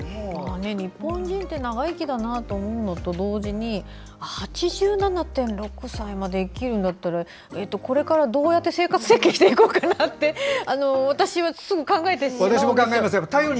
日本人って長生きだと思うのと同時に８７．６歳まで生きるならこれからどうやって生活設計していこうかなと私はすぐ考えてしまうんです。